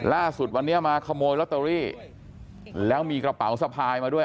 ล่าสุดวันนี้มาขโมยลอตเตอรี่แล้วมีกระเป๋าสะพายมาด้วย